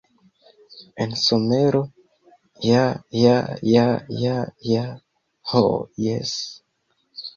En somero, ja ja ja ja ja... ho jes!